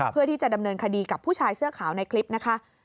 เพื่อที่จะดำเนินคดีกับผู้ชายเสื้อขาวในคลิปนะคะ